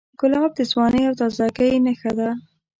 ګلاب د ځوانۍ او تازهګۍ نښه ده.